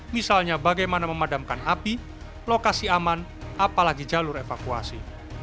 misalnya bagaimana memadamkan api lokasi aman apalagi jalur evakuasi